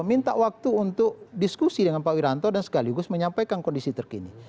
minta waktu untuk diskusi dengan pak wiranto dan sekaligus menyampaikan kondisi terkini